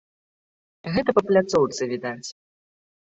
Гэта па пляцоўцы відаць.